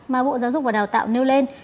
mà bộ giáo dục và đào tạo nêu lên